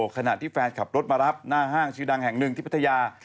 ขณะที่แฟนขับรถมารับหน้าห้างชื่อดังแห่งหนึ่งที่พัทยา